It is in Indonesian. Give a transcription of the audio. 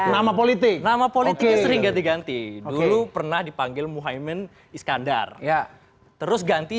nama politik nama politik sering diganti dulu pernah dipanggil muhammad iskandar ya terus ganti